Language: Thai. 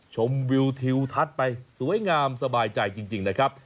ชมวิวทิวทัศน์ไปสวยงามสบายใจจริงนะครับ